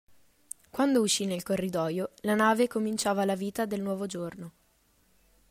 Quando uscì nel corridoio, la nave cominciava la vita del nuovo giorno.